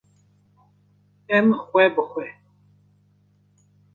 Em xwe bi xwe